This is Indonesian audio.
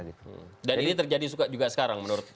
dan ini terjadi juga sekarang menurut